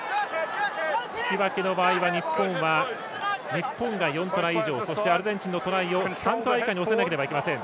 引き分けの場合は日本が４トライ以上そして、アルゼンチンのトライを３トライ以下に抑えないといけません。